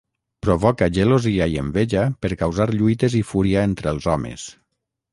Provoca gelosia i enveja per causar lluites i fúria entre els homes.